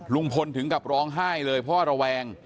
ลุงพลถึงกับร้องไห้เลยพ่อระแวง